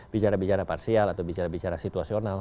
bicara bicara parsial atau bicara bicara situasional